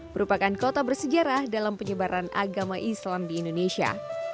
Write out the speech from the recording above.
merupakan kota bersejarah dalam penyebaran agama islam di indonesia